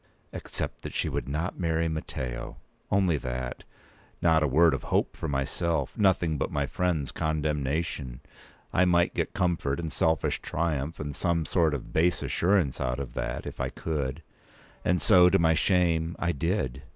Except that she would not marry Matteo! p. 198Only that. Not a word of hope for myself. Nothing but my friend's condemnation. I might get comfort, and selfish triumph, and some sort of base assurance out of that, if I could. And so, to my shame, I did.